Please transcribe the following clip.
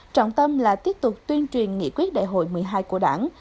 trọng tâm là tiếp tục tuyên truyền nghị quyết đại hội một mươi hai của đảng